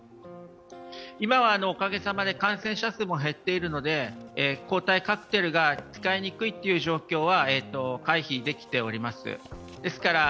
今はおかげさまで感染者数も減っているので、抗体カクテルが使いにくいという状態は回避できております。